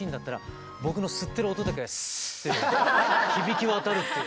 響き渡るっていう。